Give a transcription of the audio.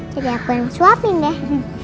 jadi aku yang suapin deh